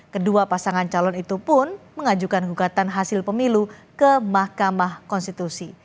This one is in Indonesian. kedua pasangan calon itu pun mengajukan gugatan hasil pemilu ke mahkamah konstitusi